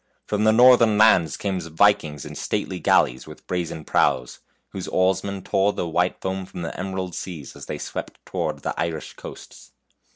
From the northern lands came vikings in stately gal leys with brazen prows, whose oarsmen tore the white foam from the emerald seas as they swept towards the Irish coasts.